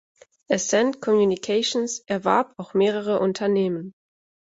Ascend Communications erwarb auch mehrere Unternehmen.